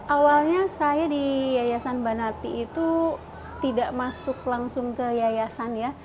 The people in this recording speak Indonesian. awalnya saya di yayasan banarti itu tidak masuk langsung ke yayasan ya